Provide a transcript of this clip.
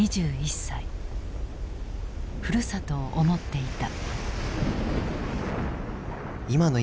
ふるさとを思っていた。